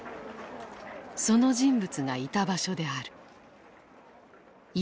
その人物がいた場所である。